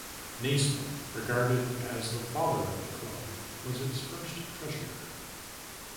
Naismith, regarded as "the father of the club", was its first treasurer.